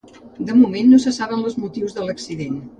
De moment, no se saben els motius de l’accident.